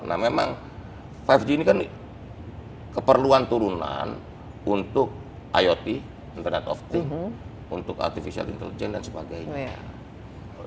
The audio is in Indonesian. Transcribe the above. nah memang lima g ini kan keperluan turunan untuk iot internet of thing untuk artificial intelligence dan sebagainya